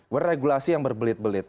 berregulasi yang berbelit belit